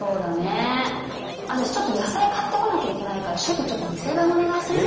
私ちょっと野菜買ってこなきゃいけないから習君ちょっと店番お願いするね。